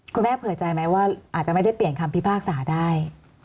เผื่อใจไหมว่าอาจจะไม่ได้เปลี่ยนคำพิพากษาได้